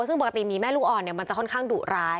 ซึ่งปกติหมีแม่ลูกอ่อนมันจะค่อนข้างดุร้าย